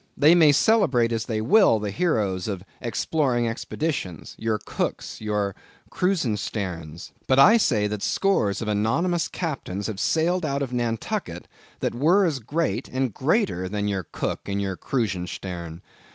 They may celebrate as they will the heroes of Exploring Expeditions, your Cooks, your Krusensterns; but I say that scores of anonymous Captains have sailed out of Nantucket, that were as great, and greater than your Cook and your Krusenstern.